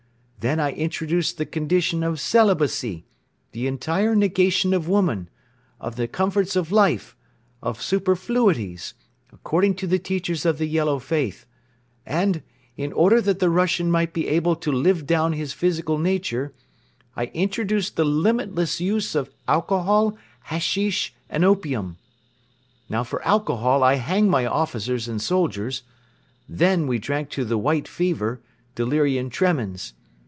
Then I introduced the condition of celibacy, the entire negation of woman, of the comforts of life, of superfluities, according to the teachings of the Yellow Faith; and, in order that the Russian might be able to live down his physical nature, I introduced the limitless use of alcohol, hasheesh and opium. Now for alcohol I hang my officers and soldiers; then we drank to the 'white fever,' delirium tremens.